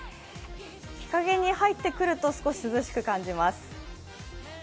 日陰に入ってくると少し涼しく感じます。